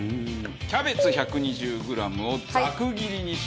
キャベツ１２０グラムをざく切りにします。